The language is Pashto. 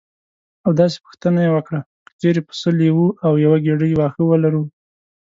او داسې پوښتنه یې وکړه: که چېرې پسه لیوه او یوه ګېډۍ واښه ولرو.